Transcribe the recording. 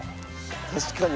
確かに。